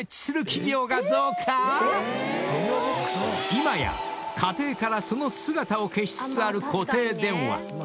［今や家庭からその姿を消しつつある固定電話］